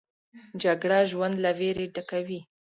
جګړه ژوند له ویرې ډکوي